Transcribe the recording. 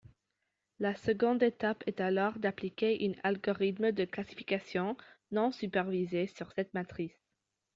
La seconde étape est alors d'appliquer un algorithme de classification non-supervisée sur cette matrice.